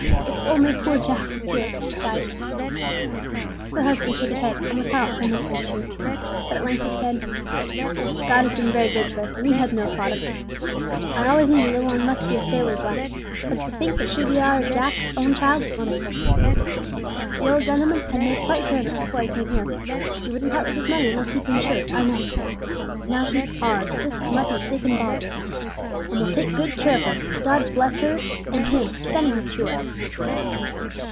if only poor Jack was here!" she sighed. Her husband shook his head, and was silent for a minute or two; but at length he said: "God has been very good to us when we had no thought of Him. I always knew the little 'un must be a sailor's lass, but to think that she should be our Jack's own child is wonderful. The old gentleman had made quite sure of it before he came here he wouldn't part with his money unless he'd been sure, I know; and now she's ours, just as much as Dick and Bob is. And we'll take good care of her, God bless her, and Him for sending her to us."